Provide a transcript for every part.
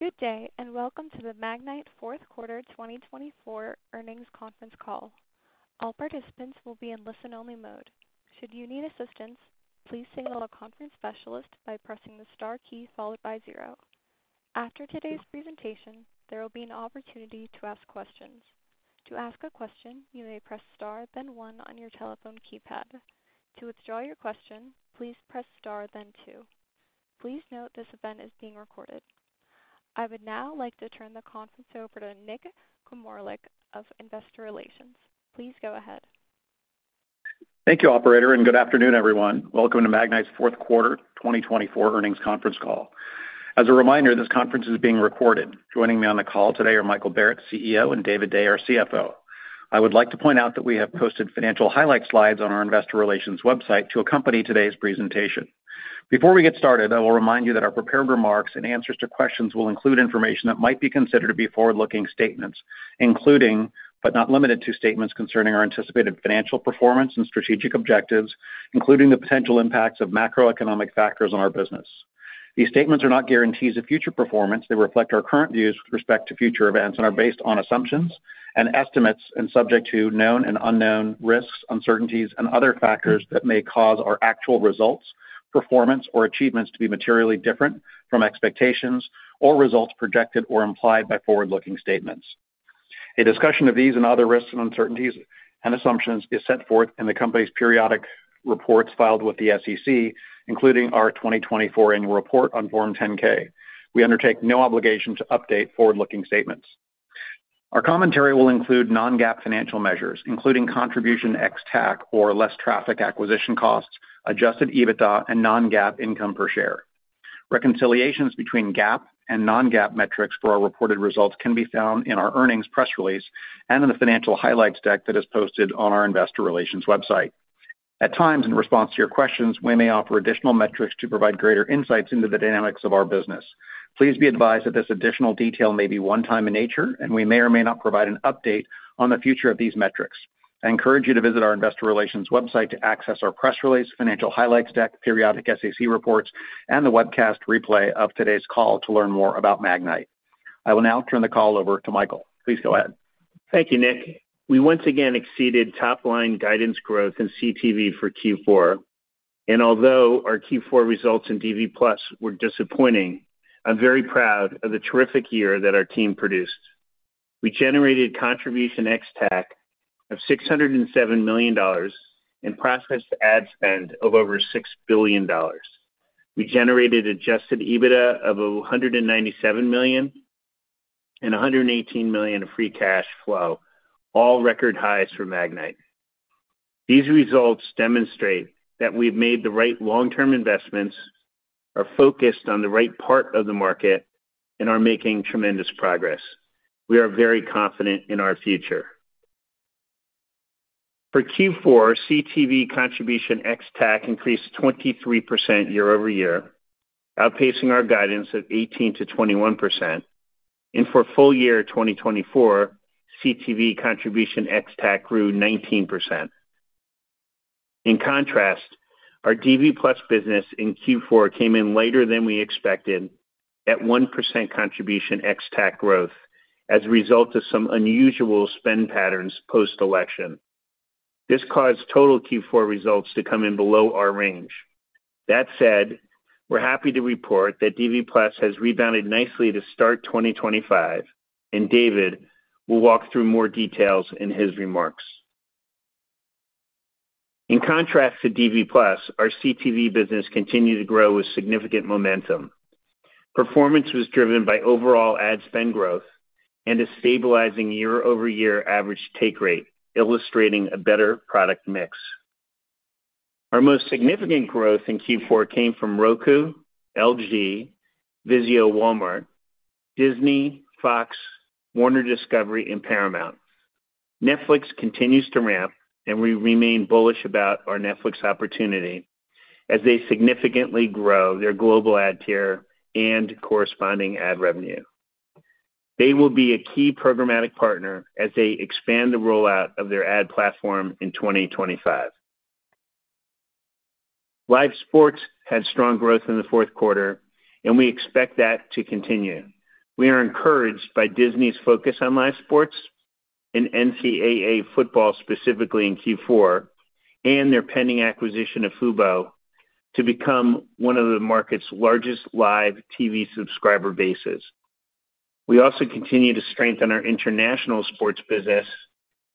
Good day, and welcome to the Magnite's Q4 2024 Earnings Conference Call. All participants will be in listen-only mode. Should you need assistance, please signal a conference specialist by pressing the star key followed by zero. After today's presentation, there will be an opportunity to ask questions. To ask a question, you may press star, then one on your telephone keypad. To withdraw your question, please press star, then two. Please note this event is being recorded. I would now like to turn the conference over to Nick Kormeluk of Investor Relations. Please go ahead. Thank you, Operator, and good afternoon, everyone. Welcome to Magnite, Q4 2024 earnings conference call. As a reminder, this conference is being recorded. Joining me on the call today are Michael Barrett, CEO, and David Day, our CFO. I would like to point out that we have posted financial highlight slides on our Investor Relations website to accompany today's presentation. Before we get started, I will remind you that our prepared remarks and answers to questions will include information that might be considered to be forward-looking statements, including, but not limited to, statements concerning our anticipated financial performance and strategic objectives, including the potential impacts of macroeconomic factors on our business. These statements are not guarantees of future performance. They reflect our current views with respect to future events and are based on assumptions and estimates and subject to known and unknown risks, uncertainties, and other factors that may cause our actual results, performance, or achievements to be materially different from expectations or results projected or implied by forward-looking statements. A discussion of these and other risks and uncertainties and assumptions is set forth in the company's periodic reports filed with the SEC, including our 2024 annual report on Form 10-K. We undertake no obligation to update forward-looking statements. Our commentary will include non-GAAP financial measures, Contribution ex-TAC, adjusted EBITDA, and non-GAAP income per share. Reconciliations between GAAP and non-GAAP metrics for our reported results can be found in our earnings press release and in the financial highlights deck that is posted on our Investor Relations website. At times, in response to your questions, we may offer additional metrics to provide greater insights into the dynamics of our business. Please be advised that this additional detail may be one-time in nature, and we may or may not provide an update on the future of these metrics. I encourage you to visit our Investor Relations website to access our press release, financial highlights deck, periodic SEC reports, and the webcast replay of today's call to learn more about Magnite. I will now turn the call over to Michael. Please go ahead. Thank you, Nick. We once again exceeded top-line guidance growth in CTV for Q4, and although our Q4 results in DV+ were disappointing, I'm very proud of the terrific year that our team produced. We Contribution ex-TAC of $607 million and processed ad spend of over $6 billion. We generated Adjusted EBITDA of $197 million and $118 million of Free Cash Flow, all record highs for Magnite. These results demonstrate that we've made the right long-term investments, are focused on the right part of the market, and are making tremendous progress. We are very confident in our future. For Q4, Contribution ex-TAC increased 23% year over year, outpacing our guidance of 18% to 21%, and for full year 2024, Contribution ex-TAC grew 19%. In contrast, our DV+ business in Q4 came in later than we expected at Contribution ex-TAC growth as a result of some unusual spend patterns post-election. This caused total Q4 results to come in below our range. That said, we're happy to report that DV+ has rebounded nicely to start 2025, and David will walk through more details in his remarks. In contrast to DV+, our CTV business continued to grow with significant momentum. Performance was driven by overall ad spend growth and a stabilizing year-over-year average take rate, illustrating a better product mix. Our most significant growth in Q4 came from Roku, LG, Vizio, Walmart, Disney, Fox, Warner Bros. Discovery, and Paramount. Netflix continues to ramp, and we remain bullish about our Netflix opportunity as they significantly grow their global ad tier and corresponding ad revenue. They will be a key programmatic partner as they expand the rollout of their ad platform in 2025. Live sports had strong growth in the Q4, and we expect that to continue. We are encouraged by Disney's focus on live sports and NCAA football, specifically in Q4, and their pending acquisition of Fubo to become one of the market's largest live TV subscriber bases. We also continue to strengthen our international sports business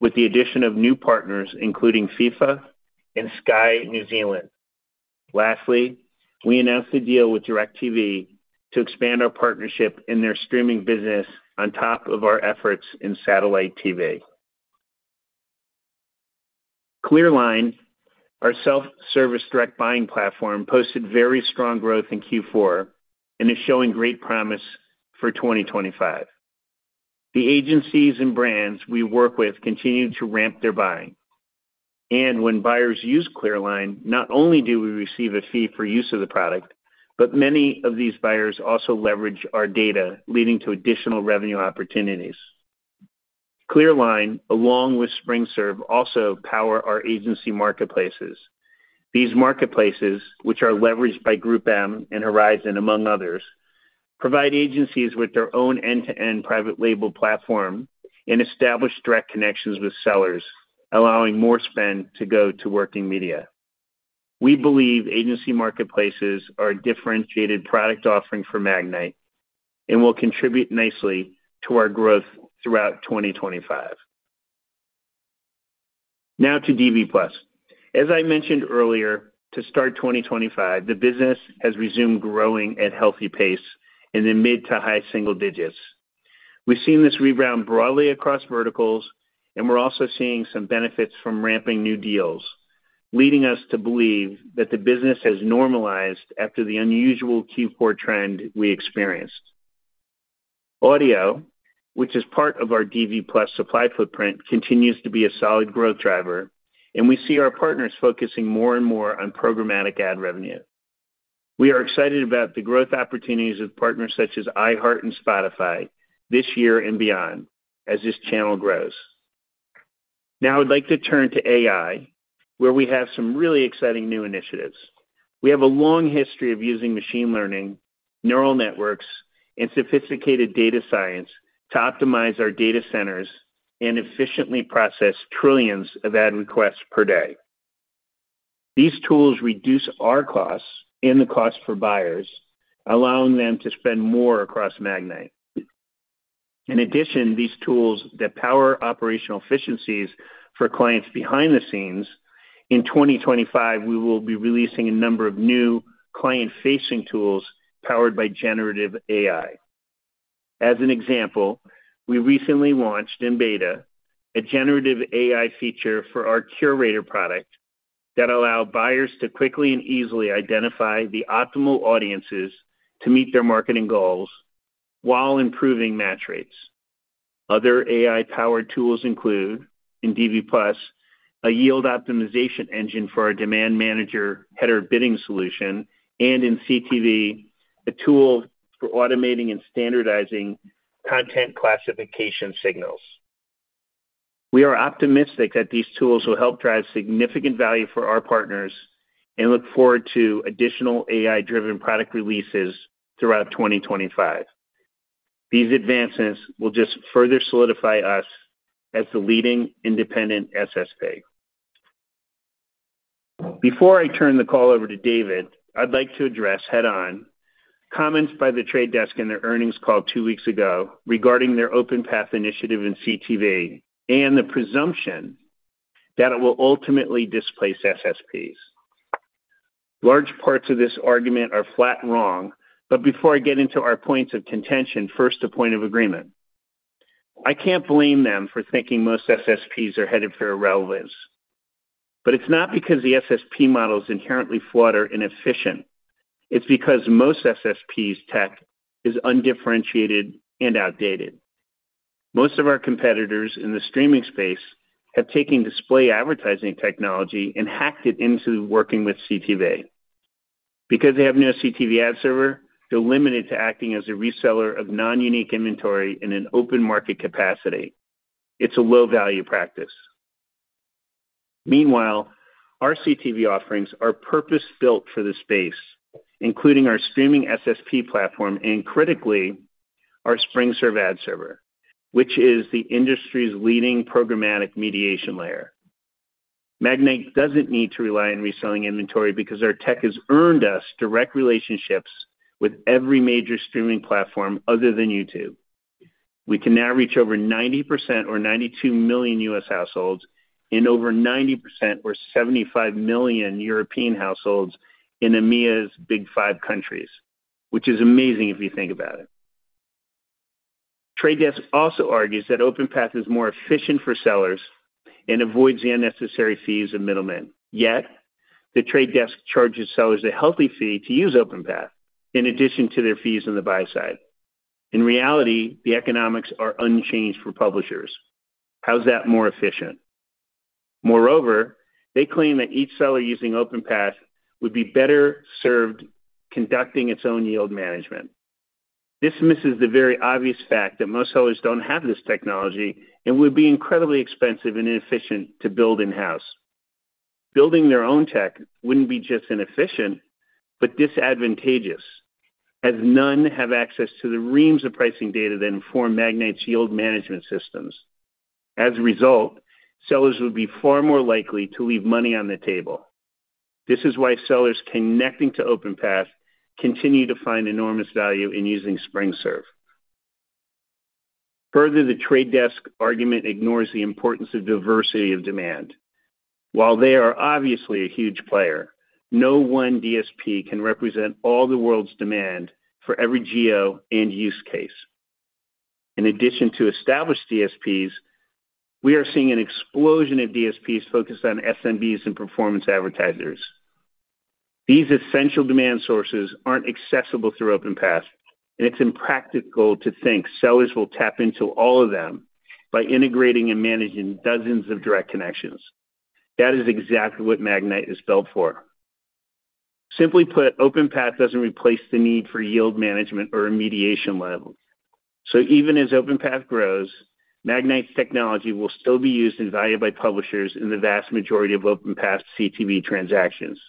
with the addition of new partners, including FIFA and Sky New Zealand. Lastly, we announced a deal with DIRECTV to expand our partnership in their streaming business on top of our efforts in satellite TV. Clearline, our self-service direct buying platform, posted very strong growth in Q4 and is showing great promise for 2025. The agencies and brands we work with continue to ramp their buying. And when buyers use Clearline, not only do we receive a fee for use of the product, but many of these buyers also leverage our data, leading to additional revenue opportunities. Clearline, along with SpringServe, also power our agency marketplaces. These marketplaces, which are leveraged by GroupM and Horizon Media, among others, provide agencies with their own end-to-end private label platform and establish direct connections with sellers, allowing more spend to go to working media. We believe agency marketplaces are a differentiated product offering for Magnite and will contribute nicely to our growth throughout 2025. Now to DV+. As I mentioned earlier, to start 2025, the business has resumed growing at a healthy pace in the mid to high single digits. We've seen this rebound broadly across verticals, and we're also seeing some benefits from ramping new deals, leading us to believe that the business has normalized after the unusual Q4 trend we experienced. Audio, which is part of our DV+ supply footprint, continues to be a solid growth driver, and we see our partners focusing more and more on programmatic ad revenue. We are excited about the growth opportunities with partners such as iHeart and Spotify this year and beyond as this channel grows. Now I'd like to turn to AI, where we have some really exciting new initiatives. We have a long history of using machine learning, neural networks, and sophisticated data science to optimize our data centers and efficiently process trillions of ad requests per day. These tools reduce our costs and the cost for buyers, allowing them to spend more across Magnite. In addition, these tools that power operational efficiencies for clients behind the scenes, in 2025, we will be releasing a number of new client-facing tools powered by Generative AI. As an example, we recently launched in beta a Generative AI feature for our Curate product that allows buyers to quickly and easily identify the optimal audiences to meet their marketing goals while improving match rates. Other AI-powered tools include, in DV+, a yield optimization engine for our Demand Manager header bidding solution, and in CTV, a tool for automating and standardizing content classification signals. We are optimistic that these tools will help drive significant value for our partners and look forward to additional AI-driven product releases throughout 2025. These advancements will just further solidify us as the leading independent SSP. Before I turn the call over to David, I'd like to address head-on comments by The Trade Desk in their earnings call two weeks ago regarding their OpenPath initiative in CTV and the presumption that it will ultimately displace SSPs. Large parts of this argument are flat and wrong, but before I get into our points of contention, first, a point of agreement. I can't blame them for thinking most SSPs are headed for irrelevance, but it's not because the SSP model is inherently flawed or inefficient. It's because most SSPs' tech is undifferentiated and outdated. Most of our competitors in the streaming space have taken display advertising technology and hacked it into working with CTV. Because they have no CTV ad server, they're limited to acting as a reseller of non-unique inventory in an open market capacity. It's a low-value practice. Meanwhile, our CTV offerings are purpose-built for the space, including our streaming SSP platform and, critically, our SpringServe ad server, which is the industry's leading programmatic mediation layer. Magnite doesn't need to rely on reselling inventory because our tech has earned us direct relationships with every major streaming platform other than YouTube. We can now reach over 90% or 92 million U.S. households and over 90% or 75 million European households in EMEA's big five countries, which is amazing if you think about it. The Trade Desk also argues that OpenPath is more efficient for sellers and avoids the unnecessary fees of middlemen. Yet, The Trade Desk charges sellers a healthy fee to use OpenPath in addition to their fees on the buy side. In reality, the economics are unchanged for publishers. How's that more efficient? Moreover, they claim that each seller using OpenPath would be better served conducting its own yield management. This misses the very obvious fact that most sellers don't have this technology and would be incredibly expensive and inefficient to build in-house. Building their own tech wouldn't be just inefficient, but disadvantageous, as none have access to the reams of pricing data that inform Magnite's yield management systems. As a result, sellers would be far more likely to leave money on the table. This is why sellers connecting to OpenPath continue to find enormous value in using SpringServe. Further, The Trade Desk argument ignores the importance of diversity of demand. While they are obviously a huge player, no one DSP can represent all the world's demand for every geo and use case. In addition to established DSPs, we are seeing an explosion of DSPs focused on SMBs and performance advertisers. These essential demand sources aren't accessible through OpenPath, and it's impractical to think sellers will tap into all of them by integrating and managing dozens of direct connections. That is exactly what Magnite is built for. Simply put, OpenPath doesn't replace the need for yield management or a mediation layer. So even as OpenPath grows, Magnite's technology will still be used and valued by publishers in the vast majority of OpenPath CTV transactions.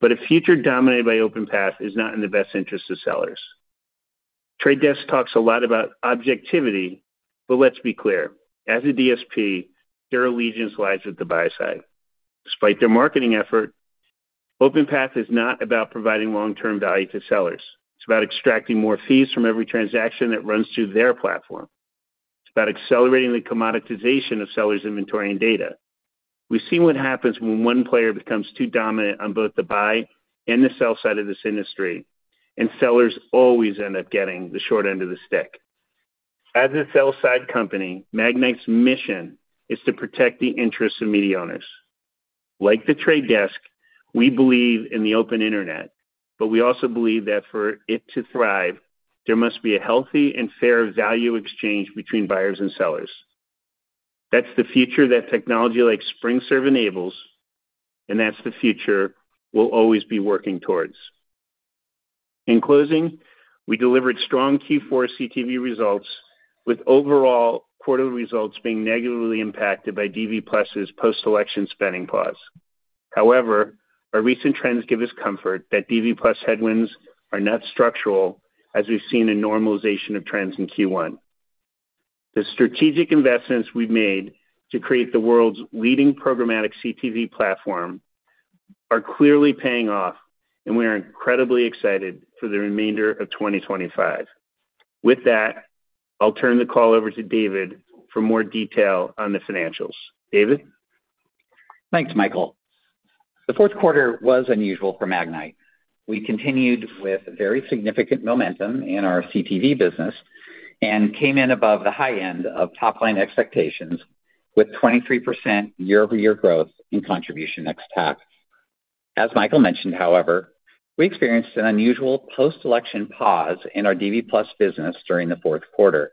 But a future dominated by OpenPath is not in the best interests of sellers. The Trade Desk talks a lot about objectivity, but let's be clear. As a DSP, their allegiance lies with the buy side. Despite their marketing effort, OpenPath is not about providing long-term value to sellers. It's about extracting more fees from every transaction that runs through their platform. It's about accelerating the commoditization of sellers' inventory and data. We've seen what happens when one player becomes too dominant on both the buy and the sell side of this industry, and sellers always end up getting the short end of the stick. As a sell-side company, Magnite's mission is to protect the interests of media owners. Like The Trade Desk, we believe in the Open Internet, but we also believe that for it to thrive, there must be a healthy and fair value exchange between buyers and sellers. That's the future that technology like SpringServe enables, and that's the future we'll always be working towards. In closing, we delivered strong Q4 CTV results, with overall quarterly results being negatively impacted by DV+'s post-election spending pause. However, our recent trends give us comfort that DV+ headwinds are not structural, as we've seen a normalization of trends in Q1. The strategic investments we've made to create the world's leading programmatic CTV platform are clearly paying off, and we are incredibly excited for the remainder of 2025. With that, I'll turn the call over to David for more detail on the financials. David? Thanks, Michael. The Q4 was unusual for Magnite. We continued with very significant momentum in our CTV business and came in above the high end of top-line expectations with 23% year-over-year growth Contribution ex-TAC. as Michael mentioned, however, we experienced an unusual post-election pause in our DV+ business during the Q4.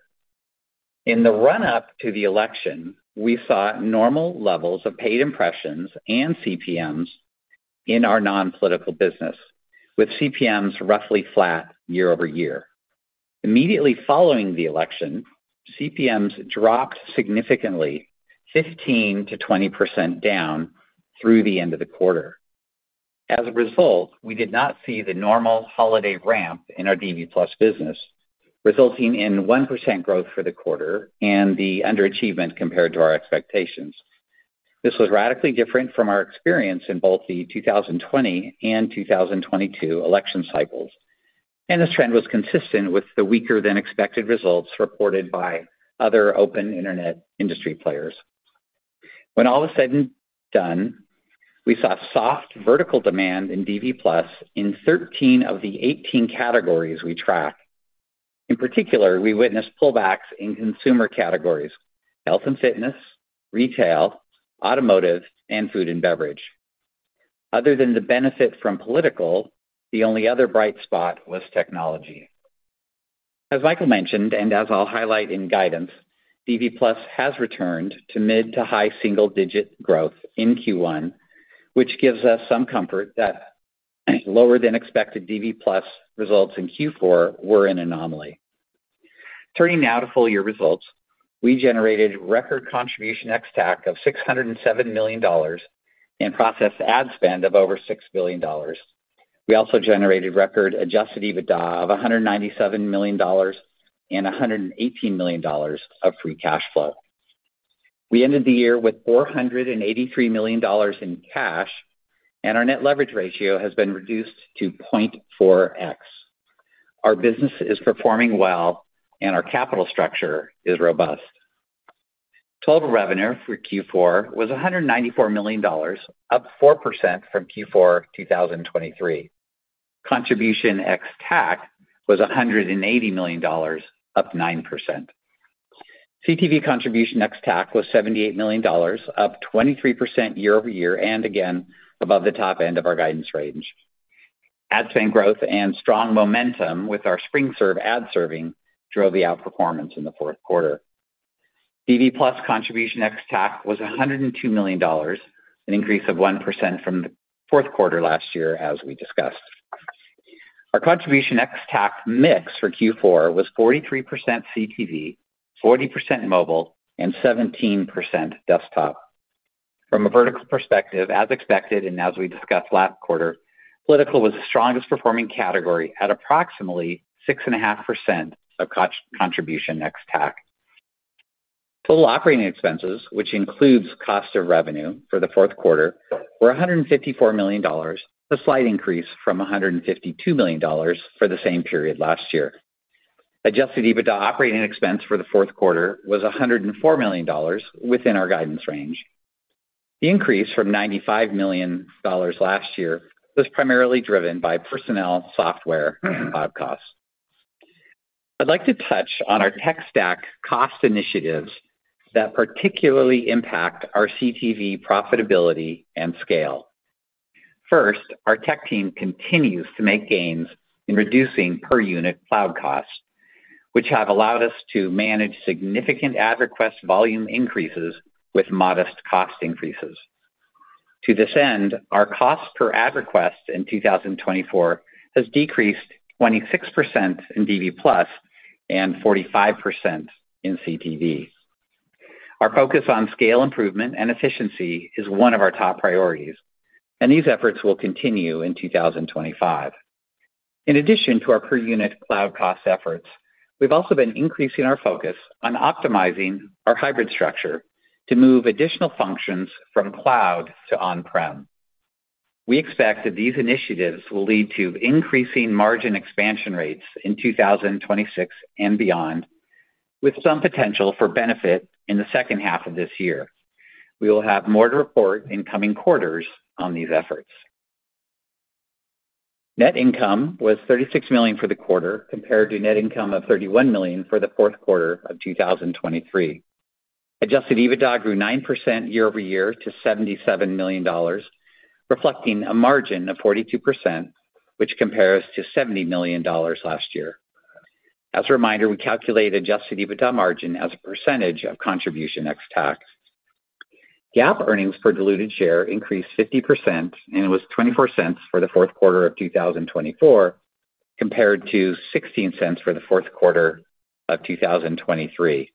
In the run-up to the election, we saw normal levels of paid impressions and CPMs in our non-political business, with CPMs roughly flat year-over-year. Immediately following the election, CPMs dropped significantly, 15%-20% down through the end of the quarter. As a result, we did not see the normal holiday ramp in our DV+ business, resulting in 1% growth for the quarter and the underachievement compared to our expectations. This was radically different from our experience in both the 2020 and 2022 election cycles, and this trend was consistent with the weaker-than-expected results reported by other open internet industry players. When all was said and done, we saw soft vertical demand in DV+ in 13 of the 18 categories we tracked. In particular, we witnessed pullbacks in consumer categories: health and fitness, retail, automotive, and food and beverage. Other than the benefit from political, the only other bright spot was technology. As Michael mentioned, and as I'll highlight in guidance, DV+ has returned to mid to high single-digit growth in Q1, which gives us some comfort that lower-than-expected DV+ results in Q4 were an anomaly. Turning now to full-year results, we generated Contribution ex-TAC of $607 million and processed ad spend of over $6 billion. We also generated record Adjusted EBITDA of $197 million and $118 million of Free Cash Flow. We ended the year with $483 million in cash, and our Net Leverage Ratio has been reduced to 0.4x. Our business is performing well, and our capital structure is robust. Total revenue for Q4 was $194 million, up 4% from Q4 Contribution ex-TAC was $180 million, up 9%. Contribution ex-TAC was $78 million, up 23% year-over-year and again above the top end of our guidance range. Ad spend growth and strong momentum with our SpringServe ad serving drove the outperformance in the Q4.Contribution ex-TAC was $102 million, an increase of 1% from the Q4 last year, as we discussed. Contribution ex-TAC mix for Q4 was 43% CTV, 40% mobile, and 17% desktop. From a vertical perspective, as expected and as we discussed last quarter, political was the strongest-performing category at approximately 6.5% Contribution ex-TAC. total operating expenses, which includes cost of revenue for the Q4, were $154 million, a slight increase from $152 million for the same period last year. Adjusted EBITDA operating expense for the Q4 was $104 million within our guidance range. The increase from $95 million last year was primarily driven by personnel, software, and pod costs. I'd like to touch on our tech stack cost initiatives that particularly impact our CTV profitability and scale. First, our tech team continues to make gains in reducing per-unit cloud costs, which have allowed us to manage significant ad request volume increases with modest cost increases. To this end, our cost per ad request in 2024 has decreased 26% in DV+ and 45% in CTV. Our focus on scale improvement and efficiency is one of our top priorities, and these efforts will continue in 2025. In addition to our per-unit cloud cost efforts, we've also been increasing our focus on optimizing our hybrid structure to move additional functions from cloud to on-prem. We expect that these initiatives will lead to increasing margin expansion rates in 2026 and beyond, with some potential for benefit in the second half of this year. We will have more to report in coming quarters on these efforts. Net income was $36 million for the quarter compared to net income of $31 million for the Q4 of 2023. Adjusted EBITDA grew 9% year-over-year to $77 million, reflecting a margin of 42%, which compares to $70 million last year. As a reminder, we calculate Adjusted EBITDA margin as a percentage of Contribution ex-TAC. GAAP earnings per diluted share increased 50% and was $0.24 for the Q4 of 2024 compared to $0.16 for the Q4 of 2023.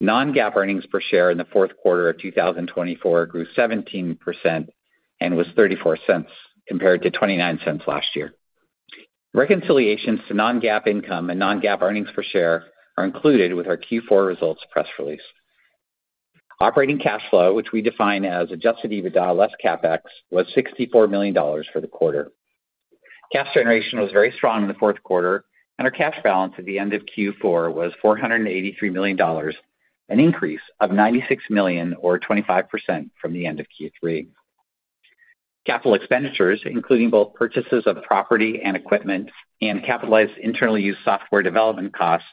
Non-GAAP earnings per share in the Q4 of 2024 grew 17% and was $0.34 compared to $0.29 last year. Reconciliations to Non-GAAP income and Non-GAAP earnings per share are included with our Q4 results press release. Operating cash flow, which we define as Adjusted EBITDA less CapEx, was $64 million for the quarter. Cash generation was very strong in the Q4, and our cash balance at the end of Q4 was $483 million, an increase of $96 million, or 25% from the end of Q3. Capital expenditures, including both purchases of property and equipment and capitalized internal use software development costs,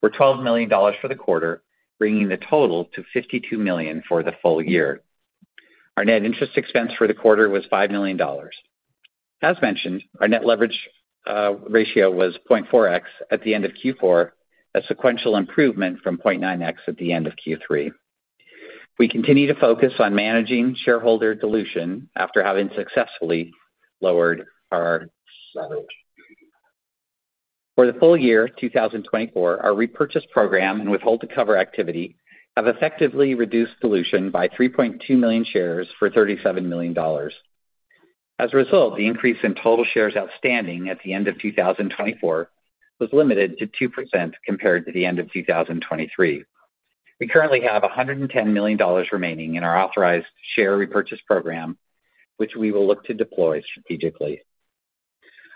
were $12 million for the quarter, bringing the total to $52 million for the full year. Our net interest expense for the quarter was $5 million. As mentioned, our net leverage ratio was 0.4x at the end of Q4, a sequential improvement from 0.9x at the end of Q3. We continue to focus on managing shareholder dilution after having successfully lowered our leverage. For the full year 2024, our repurchase program and withhold-to-cover activity have effectively reduced dilution by 3.2 million shares for $37 million. As a result, the increase in total shares outstanding at the end of 2024 was limited to 2% compared to the end of 2023. We currently have $110 million remaining in our authorized share repurchase program, which we will look to deploy strategically.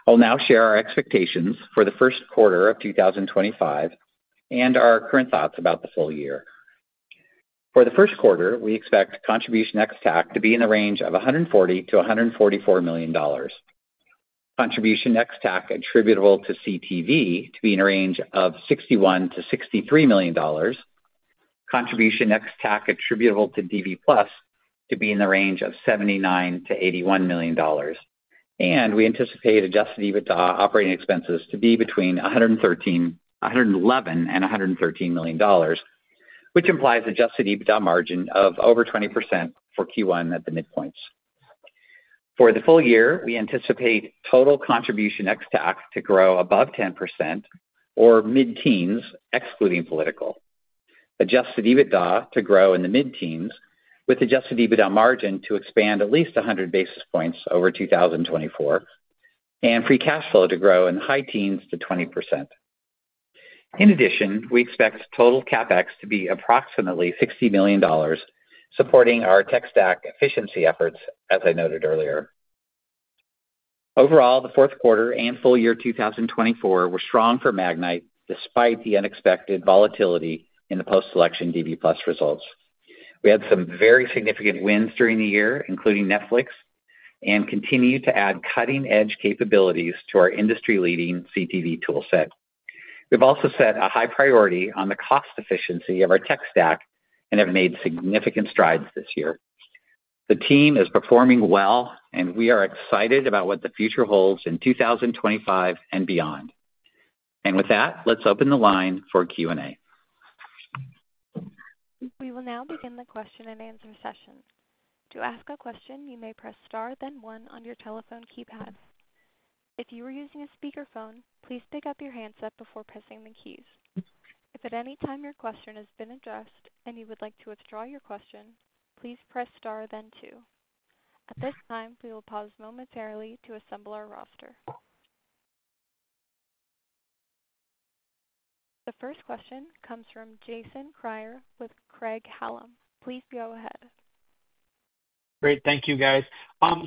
I'll now share our expectations for the Q1 of 2025 and our current thoughts about the full year. For the Q1, we Contribution ex-TAC to be in the range of $140 to 144 Contribution ex-TAC attributable to CTV to be in a range of $61 to 63 Contribution ex-TAC attributable to DV+ to be in the range of $79 to 81 million. And we anticipate Adjusted EBITDA operating expenses to be between $111 and $113 million, which implies Adjusted EBITDA margin of over 20% for Q1 at the midpoints. For the full year, we anticipate Contribution ex-TAC to grow above 10%, or mid-teens excluding political. Adjusted EBITDA to grow in the mid-teens, with Adjusted EBITDA margin to expand at least 100 basis points over 2024, and Free Cash Flow to grow in the high teens to 20%. In addition, we expect total CapEx to be approximately $60 million, supporting our tech stack efficiency efforts, as I noted earlier. Overall, the Q4 and full year 2024 were strong for Magnite despite the unexpected volatility in the post-election DV+ results. We had some very significant wins during the year, including Netflix, and continue to add cutting-edge capabilities to our industry-leading CTV toolset. We've also set a high priority on the cost efficiency of our tech stack and have made significant strides this year. The team is performing well, and we are excited about what the future holds in 2025 and beyond. And with that, let's open the line for Q&A. We will now begin the question and answer session. To ask a question, you may press Star, then 1 on your telephone keypad. If you are using a speakerphone, please pick up your handset before pressing the keys. If at any time your question has been addressed and you would like to withdraw your question, please press Star, then 2. At this time, we will pause momentarily to assemble our roster. The first question comes from Jason Kreyer with Craig-Hallum Capital Group. Please go ahead. Great. Thank you, guys.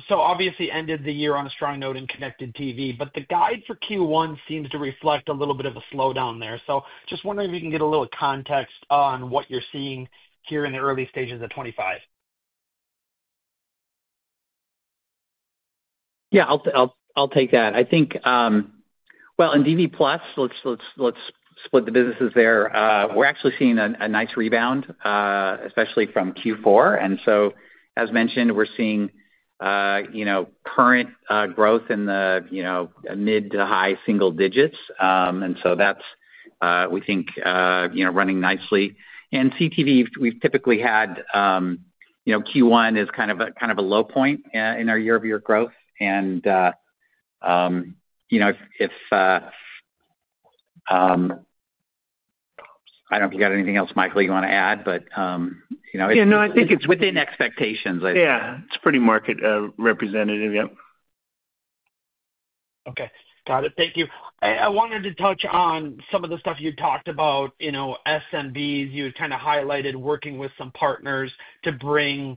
So obviously, ended the year on a strong note in connected TV, but the guide for Q1 seems to reflect a little bit of a slowdown there. So just wondering if you can get a little context on what you're seeing here in the early stages of '25. Y eah, I'll take that. I think, well, in DV+, let's split the businesses there. We're actually seeing a nice rebound, especially from Q4. And so, as mentioned, we're seeing current growth in the mid- to high-single digits. And so that's, we think, running nicely. And CTV, we've typically had Q1 as kind of a low point in our year-over-year growth. And, I don't know if you got anything else, Michael, you want to add, but. Yeah, no, I think it's within expectations. Yeah, it's pretty market representative, yep. Okay. Got it. Thank you. I wanted to touch on some of the stuff you talked about, SMBs. You had kind of highlighted working with some partners to bring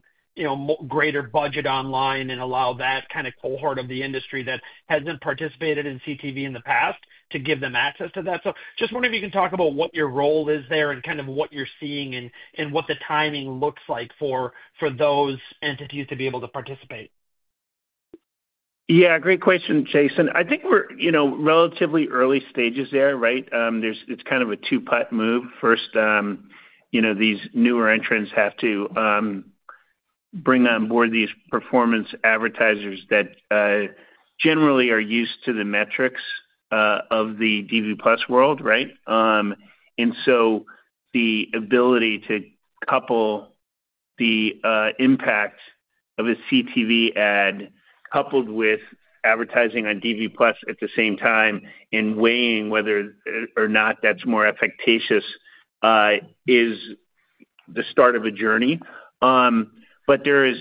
greater budget online and allow that kind of cohort of the industry that hasn't participated in CTV in the past to give them access to that. So just wondering if you can talk about what your role is there and kind of what you're seeing and what the timing looks like for those entities to be able to participate? Yeah, great question, Jason. I think we're relatively early stages there, right? It's kind of a two-part move. First, these newer entrants have to bring on board these performance advertisers that generally are used to the metrics of the DV+ world, right? And so the ability to couple the impact of a CTV ad coupled with advertising on DV+ at the same time and weighing whether or not that's more efficacious is the start of a journey. But there is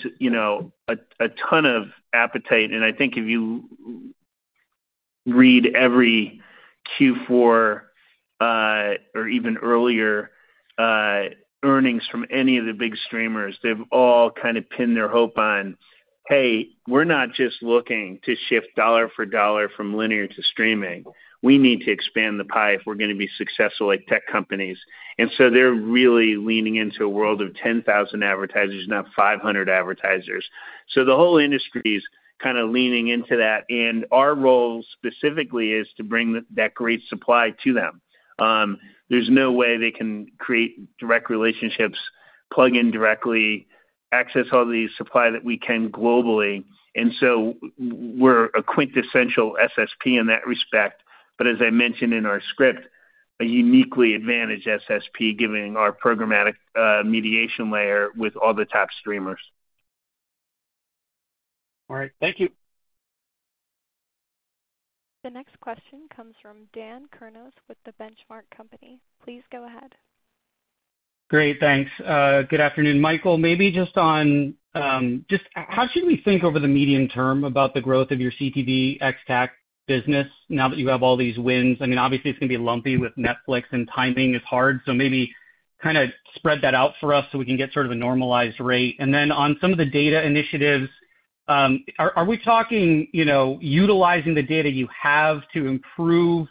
a ton of appetite. I think if you read every Q4 or even earlier earnings from any of the big streamers, they've all kind of pinned their hope on, "Hey, we're not just looking to shift dollar for dollar from linear to streaming. We need to expand the pie if we're going to be successful at tech companies." And so they're really leaning into a world of 10,000 advertisers, not 500 advertisers. So the whole industry is kind of leaning into that. And our role specifically is to bring that great supply to them. There's no way they can create direct relationships, plug in directly, access all the supply that we can globally. And so we're a quintessential SSP in that respect, but as I mentioned in our script, a uniquely advantaged SSP given our programmatic mediation layer with all the top streamers. All right. Thank you. The next question comes from Dan Kurnos with the Benchmark Company. Please go ahead. Great. Thanks. Good afternoon, Michael. Maybe just on how should we think over the medium term about the growth of your CTV ex-TAC business now that you have all these wins? I mean, obviously, it's going to be lumpy with Netflix, and timing is hard. So maybe kind of spread that out for us so we can get sort of a normalized rate. And then on some of the data initiatives, are we talking utilizing the data you have to improve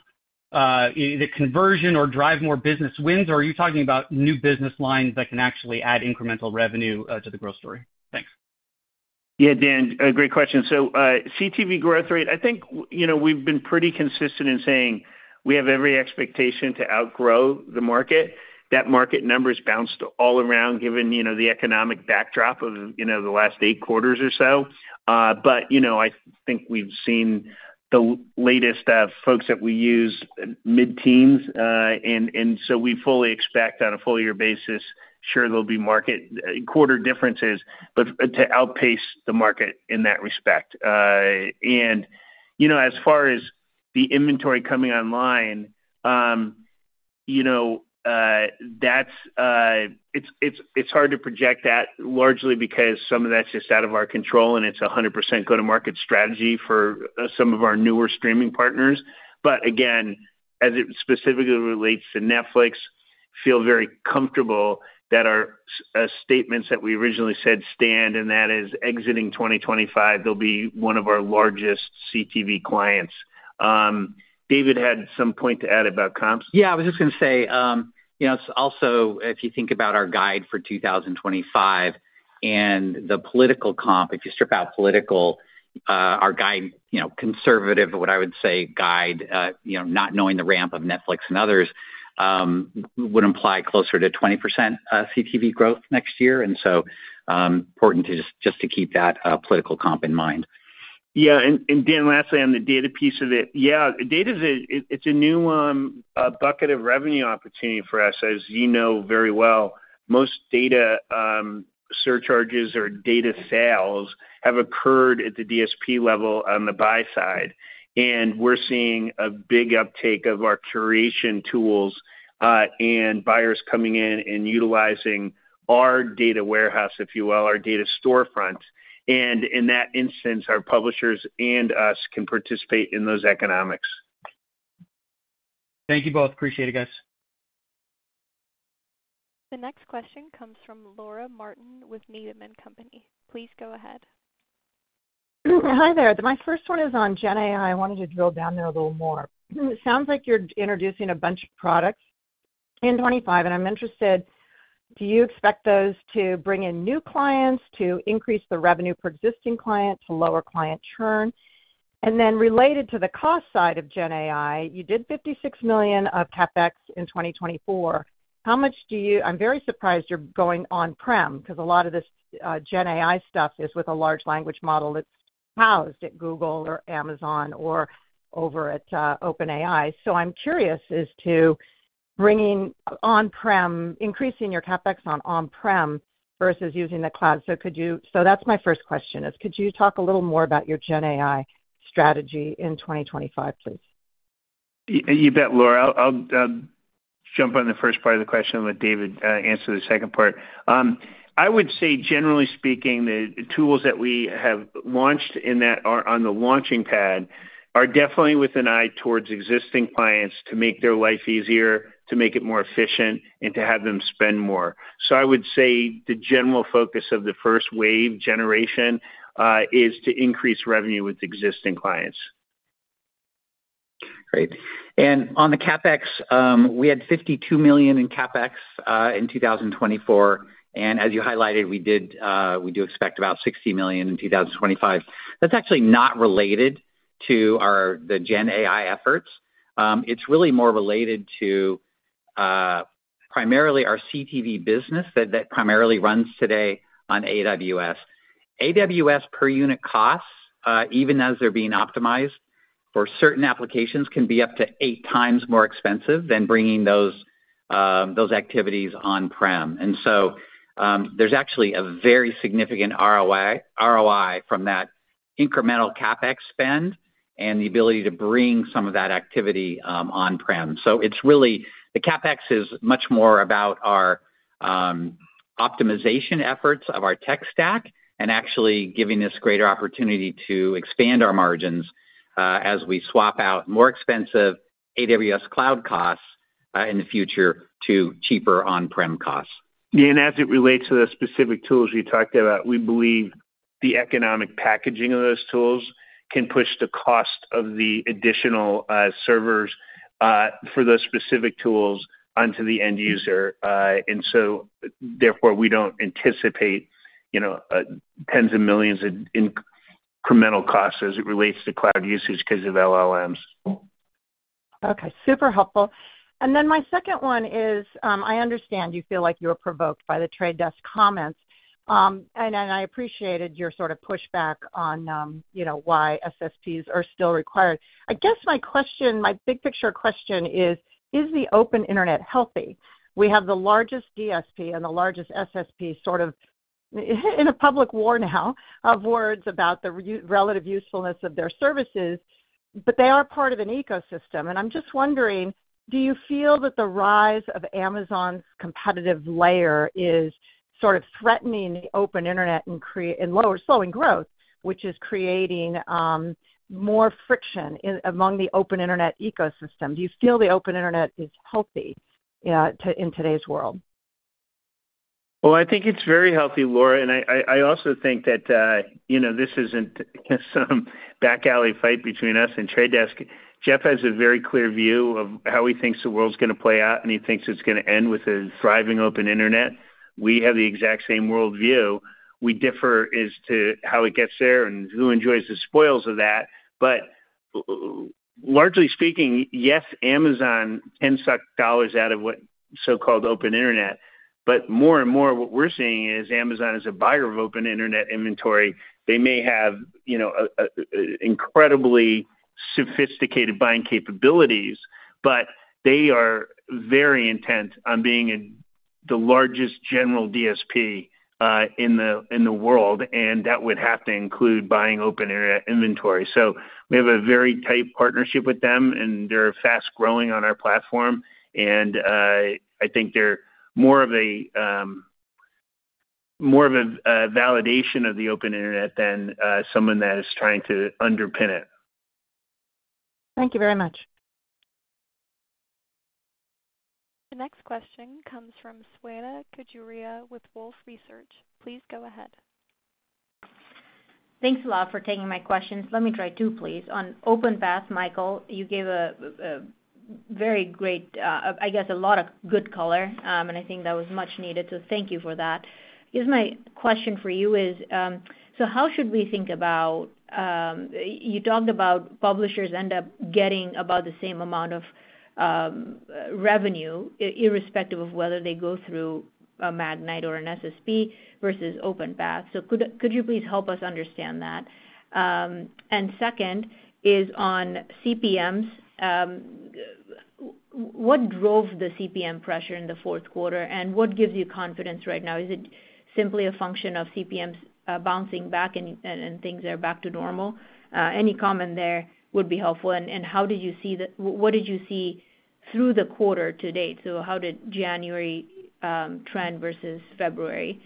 the conversion or drive more business wins, or are you talking about new business lines that can actually add incremental revenue to the growth story? Thanks. Yeah, Dan, great question. So CTV growth rate, I think we've been pretty consistent in saying we have every expectation to outgrow the market. That market number is bounced all around given the economic backdrop of the last eight quarters or so. But I think we've seen the latest folks that we use mid-teens, and so we fully expect on a full-year basis, sure, there'll be market quarter differences, but to outpace the market in that respect. And as far as the inventory coming online, it's hard to project that largely because some of that's just out of our control, and it's a 100% go-to-market strategy for some of our newer streaming partners. But again, as it specifically relates to Netflix, feel very comfortable that our statements that we originally said stand, and that is exiting 2025, they'll be one of our largest CTV clients. David Day had some point to add about comps. Yeah, I was just going to say, also, if you think about our guide for 2025 and the political comp, if you strip out political, our guide, conservative, what I would say, guide, not knowing the ramp of Netflix and others, would imply closer to 20% CTV growth next year. And so it is important just to keep that political comp in mind. Yeah. And Dan, lastly, on the data piece of it, yeah, data is a new bucket of revenue opportunity for us. As you know very well, most data surcharges or data sales have occurred at the DSP level on the buy side. And we're seeing a big uptake of our curation tools and buyers coming in and utilizing our data warehouse, if you will, our data storefront. And in that instance, our publishers and us can participate in those economics. Thank you both. Appreciate it, guys. The next question comes from Laura Martin with Needham & Company. Please go ahead. Hi there. My first one is on GenAI. I wanted to drill down there a little more. It sounds like you're introducing a bunch of products in 2025, and I'm interested, do you expect those to bring in new clients, to increase the revenue per existing client, to lower client churn? And then related to the cost side of GenAI, you did $56 million of CapEx in 2024. How much do you? I'm very surprised you're going on-prem because a lot of this GenAI stuff is with a large language model that's housed at Google or Amazon or over at OpenAI. So I'm curious as to bringing on-prem, increasing your CapEx on on-prem versus using the cloud. So that's my first question: could you talk a little more about your GenAI strategy in 2025, please? You bet, Laura. I'll jump on the first part of the question, let David answer the second part. I would say, generally speaking, the tools that we have launched and that are on the launching pad are definitely with an eye towards existing clients to make their life easier, to make it more efficient, and to have them spend more. So I would say the general focus of the first wave generation is to increase revenue with existing clients. Great. And on the CapEx, we had $52 million in CapEx in 2024. And as you highlighted, we do expect about $60 million in 2025. That's actually not related to the GenAI efforts. It's really more related to primarily our CTV business that primarily runs today on AWS. AWS per unit costs, even as they're being optimized for certain applications, can be up to eight times more expensive than bringing those activities on-prem, and so there's actually a very significant ROI from that incremental CapEx spend and the ability to bring some of that activity on-prem, so it's really the CapEx is much more about our optimization efforts of our tech stack and actually giving us greater opportunity to expand our margins as we swap out more expensive AWS cloud costs in the future to cheaper on-prem costs, and as it relates to the specific tools you talked about, we believe the economic packaging of those tools can push the cost of the additional servers for those specific tools onto the end user, and so therefore, we don't anticipate tens of millions in incremental costs as it relates to cloud usage because of LLMs. Okay. Super helpful. And then my second one is, I understand you feel like you were provoked by The Trade Desk comments, and I appreciated your sort of pushback on why SSPs are still required. I guess my question, my big picture question is, is the Open Internet healthy? We have the largest DSP and the largest SSP sort of in a public war now of words about the relative usefulness of their services, but they are part of an ecosystem. And I'm just wondering, do you feel that the rise of Amazon's competitive layer is sort of threatening the Open Internet and slowing growth, which is creating more friction among the Open Internet ecosystem? Do you feel the Open Internet is healthy in today's world? Well, I think it's very healthy, Laura. And I also think that this isn't some back-alley fight between us and The Trade Desk. Jeff has a very clear view of how he thinks the world's going to play out, and he thinks it's going to end with a thriving Open Internet. We have the exact same worldview. We differ as to how it gets there and who enjoys the spoils of that. But largely speaking, yes, Amazon can suck dollars out of what's so-called Open Internet. But more and more, what we're seeing is Amazon is a buyer of Open Internet inventory. They may have incredibly sophisticated buying capabilities, but they are very intent on being the largest general DSP in the world, and that would have to include buying Open Internet inventory. So we have a very tight partnership with them, and they're fast growing on our platform. And I think they're more of a validation of the Open Internet than someone that is trying to underpin it. Thank you very much. The next question comes from Shweta Khajuria with Wolfe Research. Please go ahead. Thanks a lot for taking my questions. Let me try two, please. On OpenPath, Michael, you gave a very great, I guess, a lot of good color, and I think that was much needed. So thank you for that. Here's my question for you: so how should we think about: you talked about publishers end up getting about the same amount of revenue irrespective of whether they go through a Magnite or an SSP versus OpenPath. So could you please help us understand that? And second is on CPMs. What drove the CPM pressure in the Q4, and what gives you confidence right now? Is it simply a function of CPMs bouncing back and things are back to normal? Any comment there would be helpful. And how did you see the—what did you see through the quarter to date? So how did January trend versus February?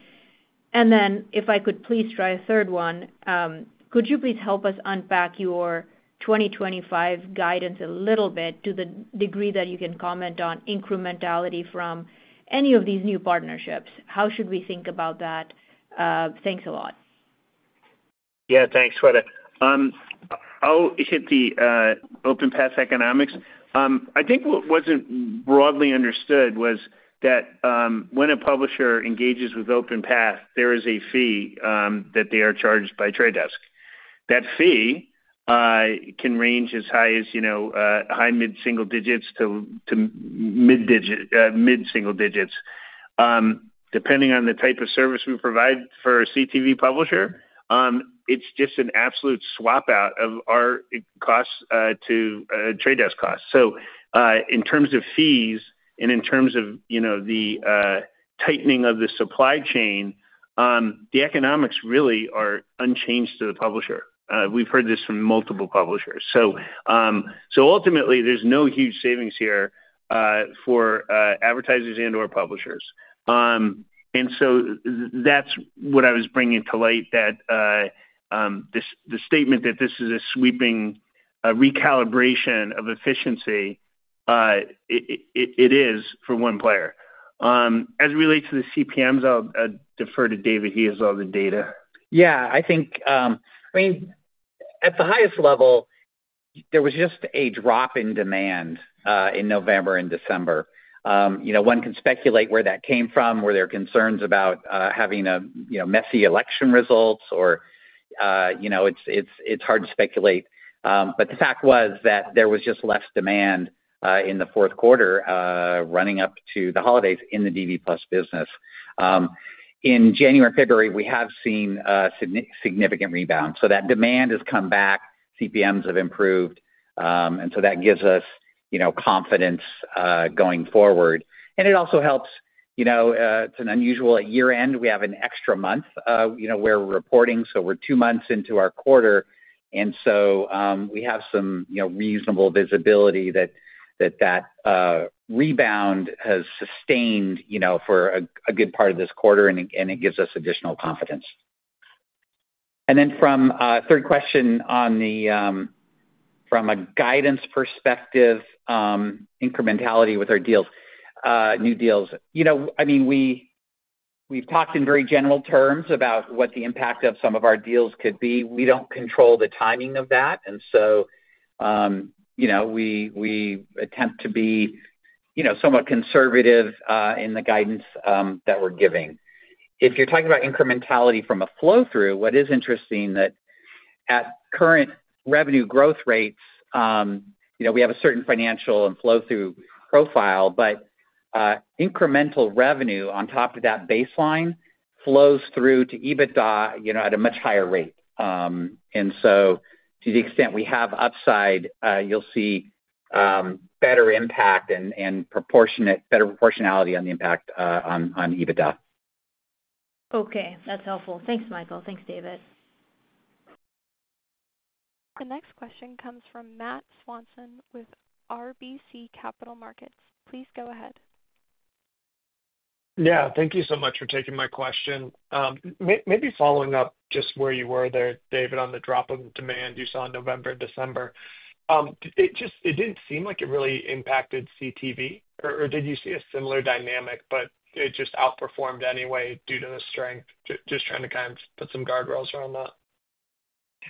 And then if I could please try a third one, could you please help us unpack your 2025 guidance a little bit to the degree that you can comment on incrementality from any of these new partnerships? How should we think about that? Thanks a lot. Yeah, thanks, Shweta. I'll hit the OpenPath economics. I think what wasn't broadly understood was that when a publisher engages with OpenPath, there is a fee that they are charged by Trade Desk. That fee can range as high as high mid-single digits to mid-single digits. Depending on the type of service we provide for a CTV publisher, it's just an absolute swap out of our Trade Desk costs. In terms of fees and in terms of the tightening of the supply chain, the economics really are unchanged to the publisher. We've heard this from multiple publishers. So ultimately, there's no huge savings here for advertisers and/or publishers. And so that's what I was bringing to light, that the statement that this is a sweeping recalibration of efficiency, it is for one player. As it relates to the CPMs, I'll defer to David. He has all the data. Yeah. I mean, at the highest level, there was just a drop in demand in November and December. One can speculate where that came from, where there are concerns about having messy election results, or it's hard to speculate. But the fact was that there was just less demand in the Q4 running up to the holidays in the DV+ business. In January and February, we have seen significant rebound. So that demand has come back. CPMs have improved. And so that gives us confidence going forward. And it also helps. It's an unusual year-end. We have an extra month where we're reporting. So we're two months into our quarter. And so we have some reasonable visibility that that rebound has sustained for a good part of this quarter, and it gives us additional confidence. And then from a third question from a guidance perspective, incrementality with our new deals. I mean, we've talked in very general terms about what the impact of some of our deals could be. We don't control the timing of that. And so we attempt to be somewhat conservative in the guidance that we're giving. If you're talking about incrementality from a flow-through, what is interesting that at current revenue growth rates, we have a certain financial and flow-through profile, but incremental revenue on top of that baseline flows through to EBITDA at a much higher rate. And so to the extent we have upside, you'll see better impact and better proportionality on the impact on EBITDA. Okay. That's helpful. Thanks, Michael. Thanks, David. The next question comes from Matt Swanson with RBC Capital Markets. Please go ahead. Yeah. Thank you so much for taking my question. Maybe following up just where you were there, David, on the drop in demand you saw in November and December. It didn't seem like it really impacted CTV, or did you see a similar dynamic, but it just outperformed anyway due to the strength? Just trying to kind of put some guardrails around that.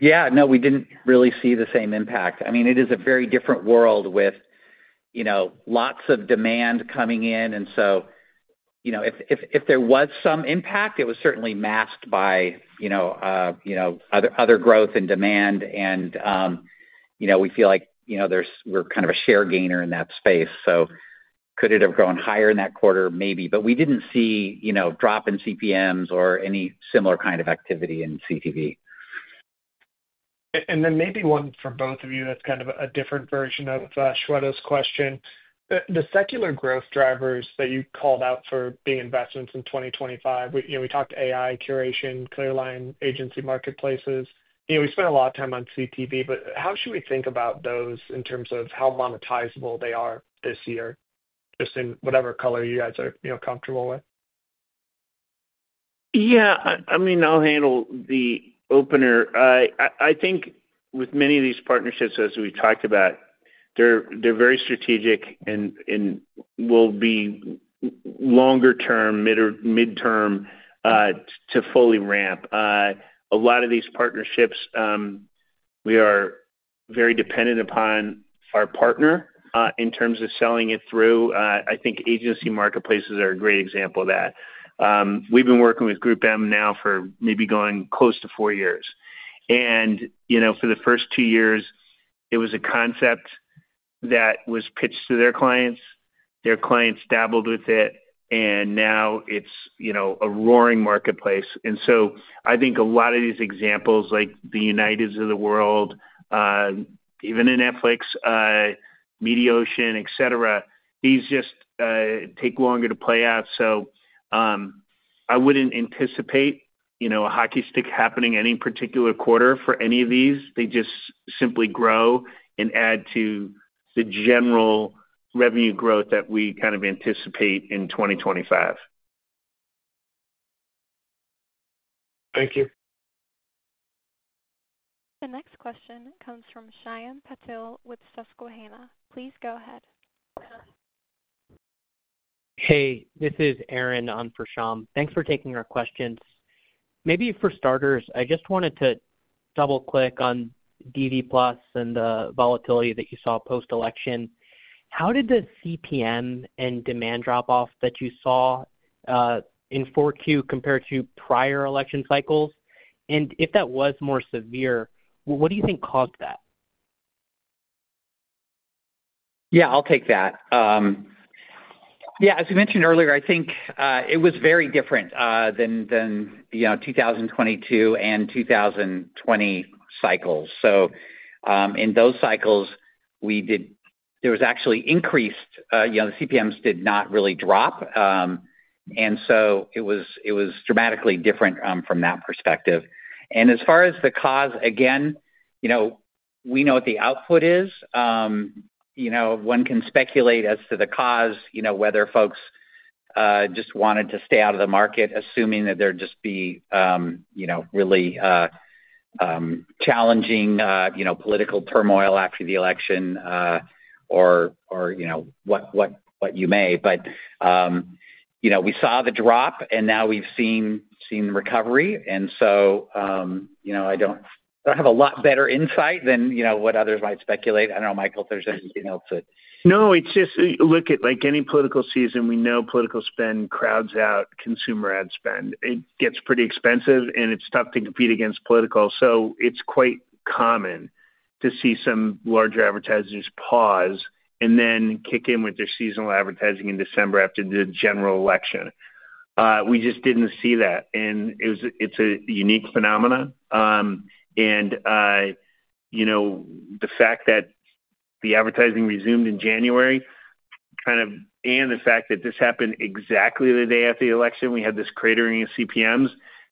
Yeah. No, we didn't really see the same impact. I mean, it is a very different world with lots of demand coming in, and so if there was some impact, it was certainly masked by other growth and demand, and we feel like we're kind of a share gainer in that space, so could it have grown higher in that quarter? Maybe, but we didn't see a drop in CPMs or any similar kind of activity in CTV. and then maybe one for both of you that's kind of a different version of Shweta's question. The secular growth drivers that you called out for being investments in 2025, we talked AI, curation, Clearline, agency marketplaces. We spent a lot of time on CTV, but how should we think about those in terms of how monetizable they are this year, just in whatever color you guys are comfortable with? Yeah. I mean, I'll handle the opener. I think with many of these partnerships, as we talked about, they're very strategic and will be longer-term, mid-term to fully ramp. A lot of these partnerships, we are very dependent upon our partner in terms of selling it through. I think agency marketplaces are a great example of that. We've been working with GroupM now for maybe going close to four years, and for the first two years, it was a concept that was pitched to their clients. Their clients dabbled with it, and now it's a roaring marketplace, and so I think a lot of these examples like the Uniteds of the world, even in Netflix, Mediaocean, etc., these just take longer to play out, so I wouldn't anticipate a hockey stick happening any particular quarter for any of these. They just simply grow and add to the general revenue growth that we kind of anticipate in 2025. Thank you. The next question comes from Shyam Patil with Susquehanna. Please go ahead. Hey, this is Aaron on for Shyam. Thanks for taking our questio`ns. Maybe for starters, I just wanted to double-click on DV+ and the volatility that you saw post-election. How did the CPM and demand drop-off that you saw in 4Q compare to prior election cycles? And if that was more severe, what do you think caused that? Yeah, I'll take that. Yeah. As we mentioned earlier, I think it was very different than 2022 and 2020 cycles. So in those cycles, there was actually increased. The CPMs did not really drop. And so it was dramatically different from that perspective. And as far as the cause, again, we know what the output is. One can speculate as to the cause, whether folks just wanted to stay out of the market, assuming that there'd just be really challenging political turmoil after the election or what have you. But we saw the drop, and now we've seen the recovery. And so I don't have a lot better insight than what others might speculate. I don't know, Michael, if there's anything else that. No, it's just, look at any political season. We know political spend crowds out consumer ad spend. It gets pretty expensive, and it's tough to compete against political. So it's quite common to see some larger advertisers pause and then kick in with their seasonal advertising in December after the general election. We just didn't see that. And it's a unique phenomenon. And the fact that the advertising resumed in January kind of, and the fact that this happened exactly the day after the election, we had this cratering of CPMs,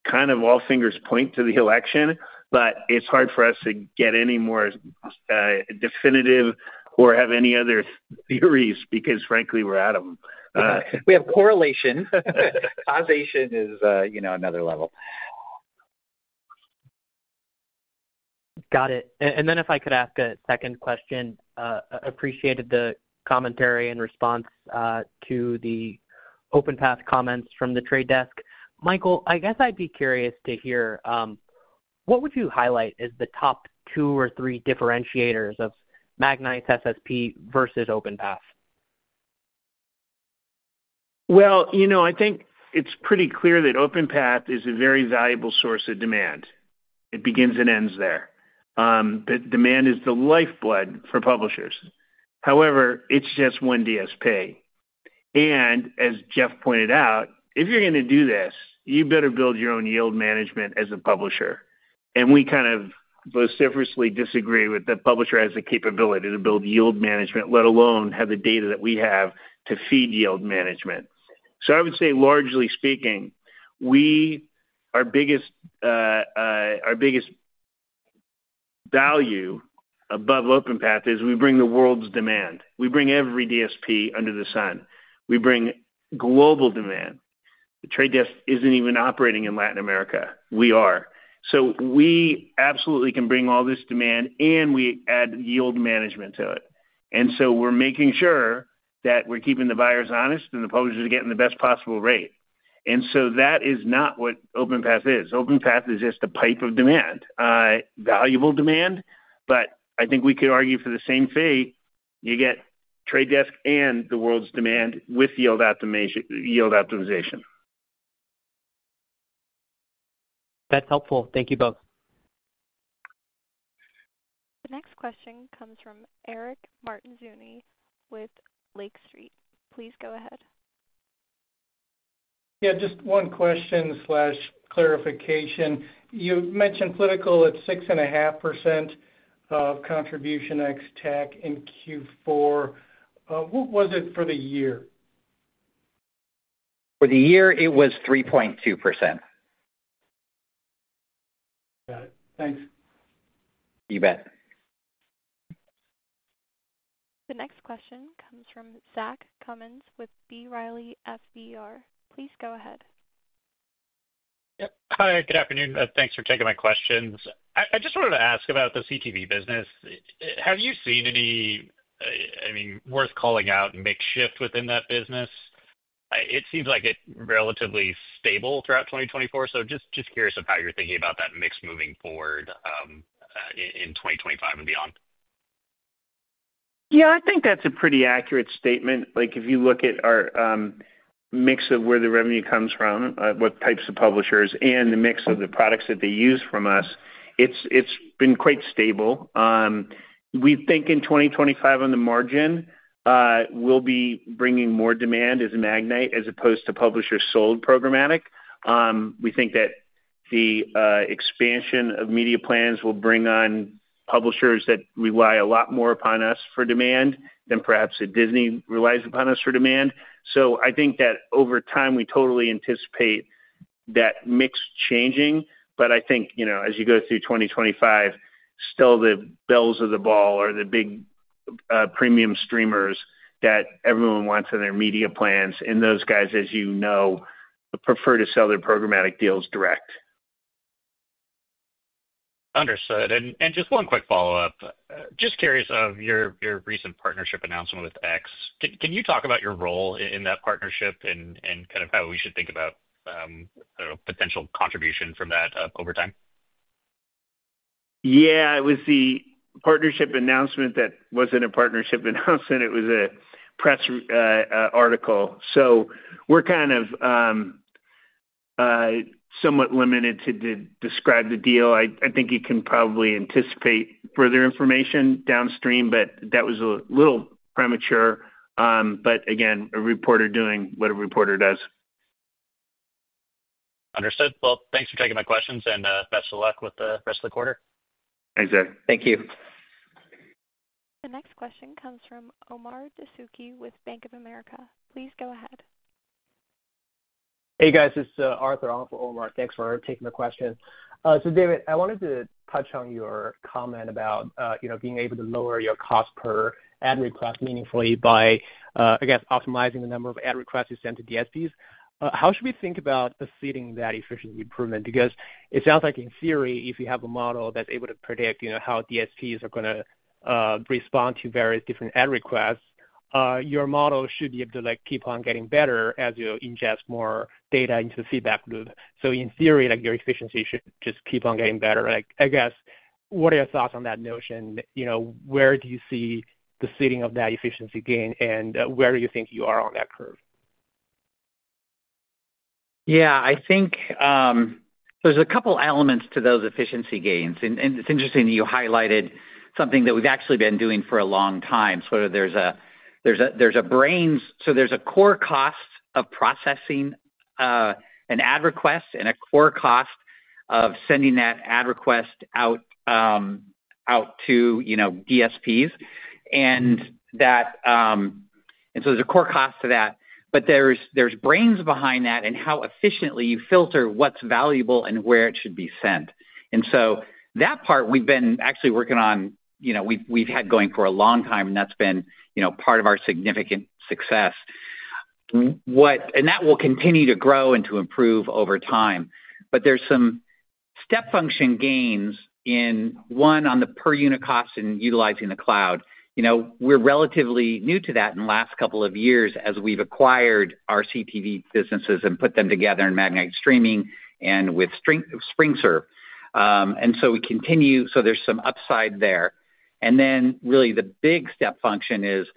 kind of all fingers point to the election. But it's hard for us to get any more definitive or have any other theories because, frankly, we're out of them. We have correlation. Causation is another level. Got it. And then if I could ask a second question, appreciated the commentary and response to the OpenPath comments from The Trade Desk. Michael, I guess I'd be curious to hear, what would you highlight as the top two or three differentiators of Magnite SSP versus OpenPath? Well, I think it's pretty clear that OpenPath is a very valuable source of demand. It begins and ends there. But demand is the lifeblood for publishers. However, it's just one DSP. And as Jeff pointed out, if you're going to do this, you better build your own yield management as a publisher. And we kind of vociferously disagree with the publisher has the capability to build yield management, let alone have the data that we have to feed yield management. So I would say, largely speaking, our biggest value above OpenPath is we bring the world's demand. We bring every DSP under the sun. We bring global demand. The Trade Desk isn't even operating in Latin America. We are. So we absolutely can bring all this demand, and we add yield management to it. And so we're making sure that we're keeping the buyers honest and the publishers getting the best possible rate. And so that is not what OpenPath is. OpenPath is just a pipe of demand, valuable demand. But I think we could argue for the same fee. You get Trade Desk and the world's demand with yield optimization. That's helpful. Thank you both. The next question comes from Eric Martinuzzi with Lake Street. Please go ahead. Yeah, just one question/clarification. You mentioned political at 6.5% Contribution ex-TAC in Q4. What was it for the year? For the year, it was 3.2%. Got it. Thanks. You bet. The next question comes from Zach Cummins with B. Riley Securities. Please go ahead. Hi, good afternoon. Thanks for taking my questions. I just wanted to ask about the CTV business. Have you seen any, I mean, worth calling out and make shift within that business? It seems like it's relatively stable throughout 2024. So just curious of how you're thinking about that mix moving forward in 2025 and beyond. Yeah, I think that's a pretty accurate statement. If you look at our mix of where the revenue comes from, what types of publishers, and the mix of the products that they use from us, it's been quite stable. We think in 2025 on the margin, we'll be bringing more demand as a Magnite as opposed to publishers sold programmatic. We think that the expansion of media plans will bring on publishers that rely a lot more upon us for demand than perhaps a Disney relies upon us for demand. So I think that over time, we totally anticipate that mix changing. But I think as you go through 2025, still the belles of the ball are the big premium streamers that everyone wants in their media plans. And those guys, as you know, prefer to sell their programmatic deals direct. Understood. And just one quick follow-up. Just curious of your recent partnership announcement with X. Can you talk about your role in that partnership and kind of how we should think about potential contribution from that over time? Yeah. It was the partnership announcement that wasn't a partnership announcement. It was a press article. So we're kind of somewhat limited to describe the deal. I think you can probably anticipate further information downstream, but that was a little premature. But again, a reporter doing what a reporter does. Understood. Well, thanks for taking my questions and best of luck with the rest of the quarter. Thank you. Thank you. The next question comes from Omar Dessouky with Bank of America. Please go ahead. Hey, guys. It's Arthur on for Omar. Thanks for taking the question. David, I wanted to touch on your comment about being able to lower your cost per ad request meaningfully by, I guess, optimizing the number of ad requests you send to DSPs. How should we think about exceeding that efficiency improvement? Because it sounds like in theory, if you have a model that's able to predict how DSPs are going to respond to various different ad requests, your model should be able to keep on getting better as you ingest more data into the feedback loop. So in theory, your efficiency should just keep on getting better. I guess, what are your thoughts on that notion? Where do you see the ceiling of that efficiency gain and where do you think you are on that curve? Yeah. I think there's a couple of elements to those efficiency gains. It's interesting that you highlighted something that we've actually been doing for a long time. There's a core cost of processing an ad request and a core cost of sending that ad request out to DSPs. There's a core cost to that. But there's brains behind that and how efficiently you filter what's valuable and where it should be sent. That part, we've been actually working on. We've had going for a long time, and that's been part of our significant success. That will continue to grow and to improve over time. But there's some step function gains in one on the per unit cost and utilizing the cloud. We're relatively new to that in the last couple of years as we've acquired our CTV businesses and put them together in Magnite Streaming and with SpringServe. And so we continue. So there's some upside there. And then really the big step function is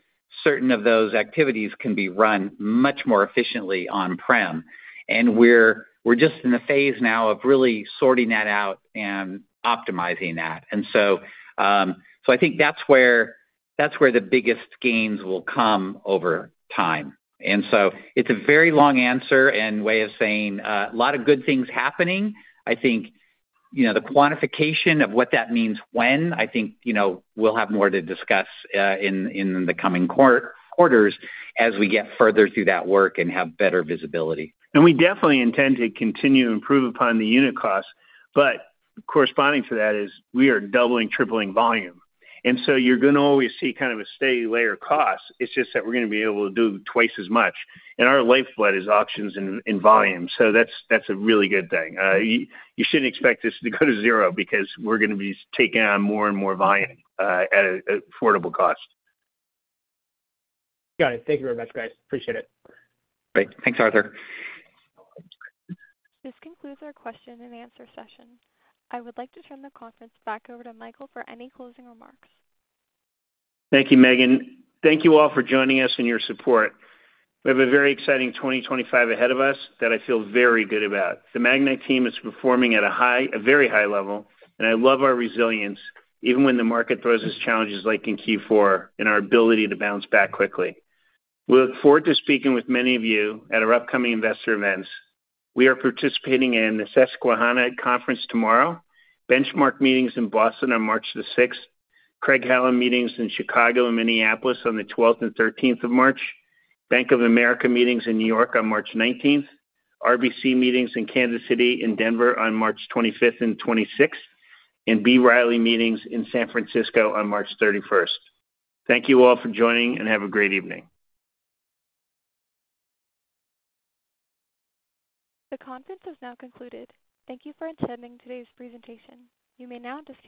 certain of those activities can be run much more efficiently on-prem. And we're just in the phase now of really sorting that out and optimizing that. And so I think that's where the biggest gains will come over time. And so it's a very long answer and way of saying a lot of good things happening. I think the quantification of what that means when, I think we'll have more to discuss in the coming quarters as we get further through that work and have better visibility. And we definitely intend to continue to improve upon the unit cost. But corresponding to that is we are doubling, tripling volume. And so you're going to always see kind of a steady layer of costs. It's just that we're going to be able to do twice as much, and our lifeblood is auctions and volume, so that's a really good thing. You shouldn't expect us to go to zero because we're going to be taking on more and more volume at an affordable cost. Got it. Thank you very much, guys. Appreciate it. Great. Thanks, Arthur. This concludes our question and answer session. I would like to turn the conference back over to Michael for any closing remarks. Thank you, Megan. Thank you all for joining us and your support. We have a very exciting 2025 ahead of us that I feel very good about. The Magnite team is performing at a very high level, and I love our resilience even when the market throws us challenges like in Q4 and our ability to bounce back quickly. We look forward to speaking with many of you at our upcoming investor events. We are participating in the Susquehanna Conference tomorrow, Benchmark meetings in Boston on March the 6th, Craig-Hallum meetings in Chicago and Minneapolis on the 12th and 13th of March, Bank of America meetings in New York on March 19th, RBC meetings in Kansas City and Denver on March 25th and 26th, and B. Riley meetings in San Francisco on March 31st. Thank you all for joining and have a great evening. The conference is now concluded. Thank you for attending today's presentation. You may now disconnect.